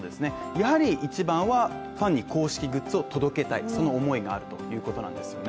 やはり一番はファンに公式グッズを届けたい、その思いがあるということなんですよね